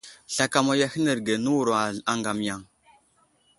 Slakama yo ahənərge nəwuro aŋgam yaŋ.